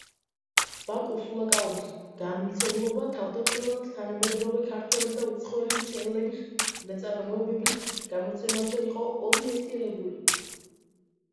ბაკურ სულაკაურის გამომცემლობა თავდაპირველად თანამედროვე ქართველი და უცხოელი მწერლების ნაწარმოებების გამოცემაზე იყო ორიენტირებული.